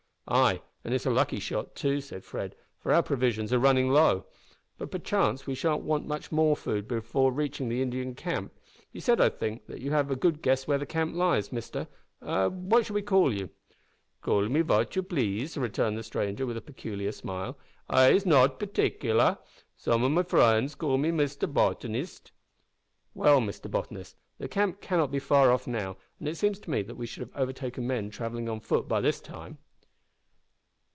"Ay, and it's a lucky shot too," said Fred, "for our provisions are running low. But perchance we shan't want much more food before reaching the Indian camp. You said, I think, that you have a good guess where the camp lies, Mister what shall we call you?" "Call me vat you please," returned the stranger, with a peculiar smile; "I is not partickler. Some of me frunds calls me Mr Botaniste." "Well, Mr Botanist, the camp cannot be far off now, an' it seems to me that we should have overtaken men travelling on foot by this time."